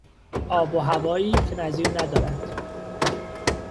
آب و هوایی که نظیر ندارد.